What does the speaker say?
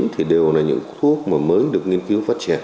thì đều là những thuốc mà mới được nghiên cứu phát triển